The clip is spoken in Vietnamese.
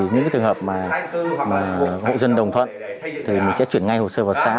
những trường hợp mà hộ dân đồng thuận thì mình sẽ chuyển ngay hồ sơ vào xã